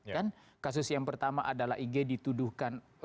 kan kasus yang pertama adalah ig dituduhkan